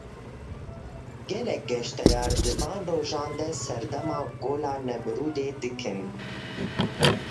Gelek geştyar di van rojan de serdama Gola Nemrûdê dikin.